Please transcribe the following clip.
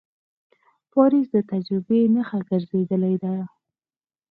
پاریس د تجربې نښه ګرځېدلې ده.